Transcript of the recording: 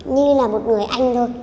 như là một người anh thôi